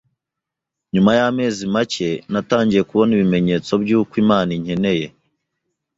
Nyuma y’amezi make, natangiye kubona ibimenyetso by’uko Imana inkeneye